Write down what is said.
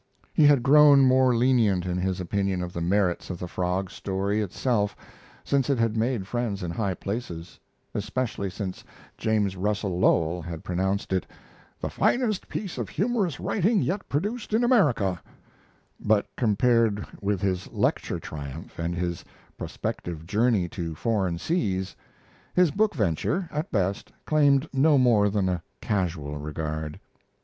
He had grown more lenient in his opinion of the merits of the Frog story itself since it had made friends in high places, especially since James Russell Lowell had pronounced it "the finest piece of humorous writing yet produced in America"; but compared with his lecture triumph, and his prospective journey to foreign seas, his book venture, at best, claimed no more than a casual regard.